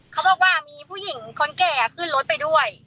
เขาบอกว่ามีผู้หญิงคนแก่ขึ้นรถไปด้วย